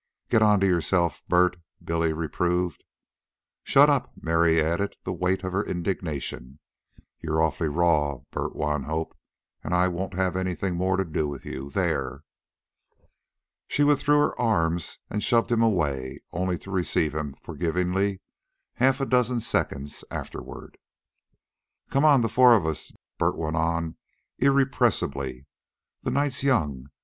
"Get onto yourself, Bert," Billy reproved. "Shut up!" Mary added the weight of her indignation. "You're awfully raw, Bert Wanhope, an' I won't have anything more to do with you there!" She withdrew her arms and shoved him away, only to receive him forgivingly half a dozen seconds afterward. "Come on, the four of us," Bert went on irrepressibly. "The night's young.